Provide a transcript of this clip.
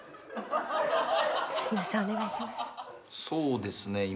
そうですね